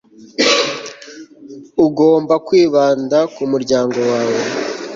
ugomba kwibanda ku muryango wawe